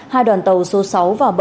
hai đoàn tàu số sáu và bảy